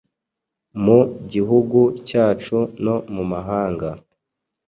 mu gihugu cyacu no mu mahanga